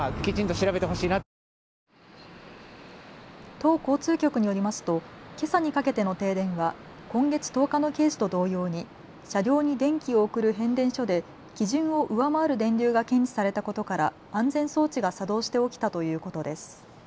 都交通局によりますとけさにかけての停電は今月１０日のケースと同様に車両に電気を送る変電所で基準を上回る電流が検知されたことから安全装置が作動して起きたということです。